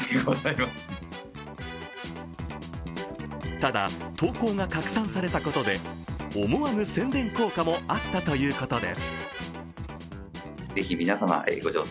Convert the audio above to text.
ただ、投稿が拡散されたけことで思わぬ宣伝効果もあったということです。